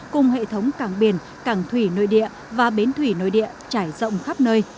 cùng hệ thống cảng biển cảng thủy nội địa và bến thủy nội địa trải rộng khắp nơi